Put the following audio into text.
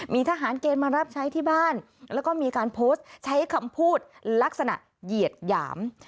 มีทหารเกณฑ์มารับใช้ที่บ้านแล้วก็มีการโพสต์ใช้คำพูดลักษณะเหยียดหยาม